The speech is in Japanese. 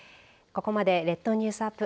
ここまで列島ニュースアップ